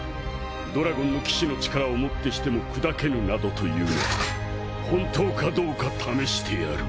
ドラゴンの騎士の力をもってしても砕けぬなどと言うが本当かどうか試してやる。